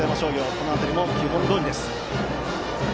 ここも基本どおりです。